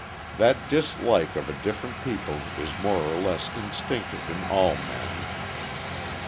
That dislike of a different people is more or less instinctive in all men.